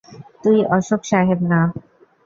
তুই অশোক সাহেব না।